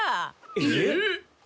えっ？